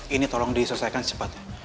ini tolong diselesaikan cepat